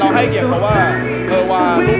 แต่ว่าเกิดว่าเข้าใจผิดจริงหรอ